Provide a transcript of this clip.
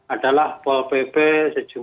adalah pol pp sejumlah sembilan orang